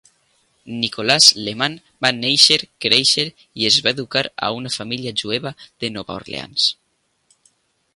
Nicholas Lemann va néixer, créixer i es va educar a una família jueva de Nova Orleans.